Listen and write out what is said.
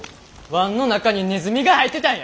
椀の中にネズミが入ってたんや！